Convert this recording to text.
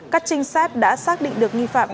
các trinh sát đã xác định được nghi phạm